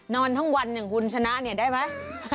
นอนทั้งวันอย่างคุณชนะเนี่ยได้ไหม